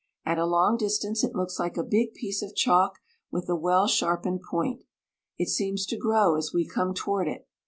At a long distance it looks like a big piece of chalk with a well sharpened point. It seems to grow as we come toward it.